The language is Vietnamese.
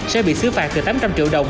sẽ bị xứ phạt từ tám trăm linh triệu đồng